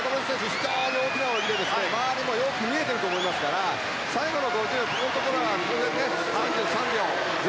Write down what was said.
非常に大きな泳ぎで周りもよく見えていると思いますから、最後の５０ここのところは。